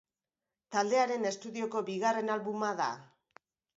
Taldearen estudioko bigarren albuma da.